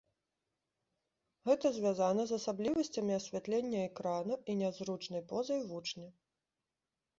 Гэта звязана з асаблівасцямі асвятлення экрана і нязручнай позай вучня.